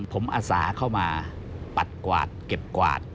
ผมอาสาเข้ามาปัดกวาดเก็บกวาด